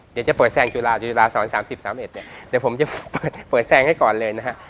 เดี๋ยวจะเปิดแซงจุฬาจุฬาศร๓๐๓๑เนี่ยเดี๋ยวผมจะเปิดแซงให้ก่อนเลยนะฮะ